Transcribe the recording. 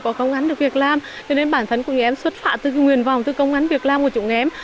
có công án được việc làm cho nên bản thân của người em xuất phạm từ nguyên vọng từ công án việc làm của chúng em